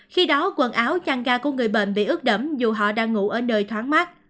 khi đó quần áo chăn ga của người bệnh bị ướp đẩm dù họ đang ngủ ở nơi thoáng mát